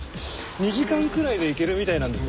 ２時間くらいで行けるみたいなんです。